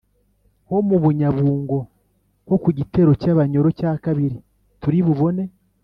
ho mu bunyabungo; ho ku gitero cy ‘abanyoro cya kabiri turibubone